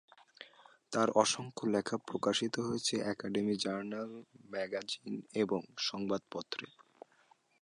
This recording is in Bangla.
তার অসংখ্য লেখা প্রকাশিত হয়েছে একাডেমিক জার্নাল, ম্যাগাজিন এবং সংবাদপত্রে।